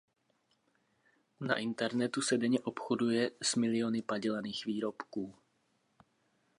Na internetu se denně obchoduje s miliony padělaných výrobků.